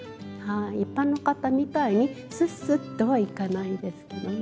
一般の方みたいにスッスッとはいかないですけどね。